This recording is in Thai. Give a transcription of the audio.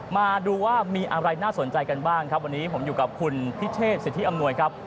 มาดูว่ามีอะไรน่าสนใจกันบ้างครับวันนี้ผมอยู่กับคุณพิเชษสิทธิอำนวยครับ